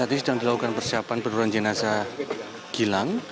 saat ini sedang dilakukan persiapan penurunan jenazah gilang